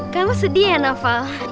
kamu sedih ya noval